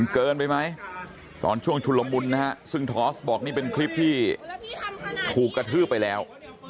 เกินไปไหมตอนช่วงชุลมุนนะฮะซึ่งทอสบอกนี่เป็นคลิปที่ถูกกระทืบไปแล้ว